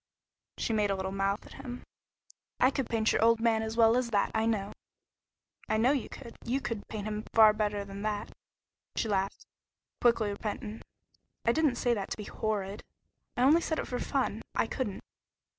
She made a little mouth at him. "I could paint your old man as well as that, I know." "I know you could. You could paint him far better than that." She laughed, quickly repentant. "I didn't say that to be horrid. I only said it for fun. I couldn't."